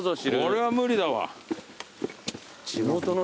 これは無理だわ。